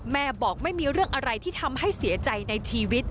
บอกไม่มีเรื่องอะไรที่ทำให้เสียใจในชีวิต